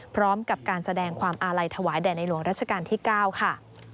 พร้อมกับการแสดงความอาลัยถวายแด่ในหลวงรัชกาลที่๙ค่ะ